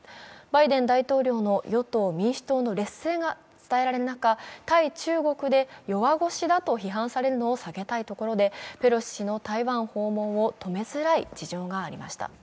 バイデン大統領の与党・民主党の劣勢が伝えられる中、対中国で弱腰だと批判されるのを避けたいところでペロシ氏の台湾訪問を止めづらい事情がありました。